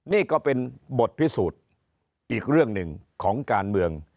นี่ก็เป็นบทพิสูจน์อีกเรื่องหนึ่งของการเมือง